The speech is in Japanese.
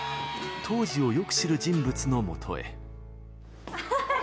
当時を、よく知る人物のもとへ。